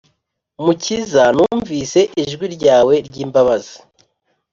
Mukiza numvise ijwi ryawe ry’imbabazi